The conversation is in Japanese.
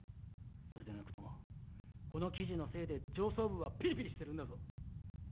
それでなくともこの記事のせいで上層部はピリピリしてるんだぞ！